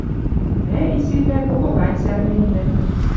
Мӓ, изивлӓ, кого гань, сӓрненнӓ